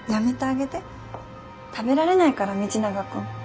食べられないから道永君。